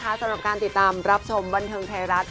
สำหรับการติดตามรับชมบันเทิงไทยรัฐ